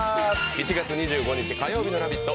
７月２５日火曜日の「ラヴィット！」